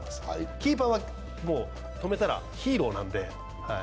キーパーは止めたらもうヒーローなんで。